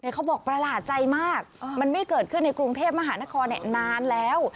เขาบอกประหลาดใจมากมันไม่เกิดขึ้นในกรุงเทพมหานครนานแล้ว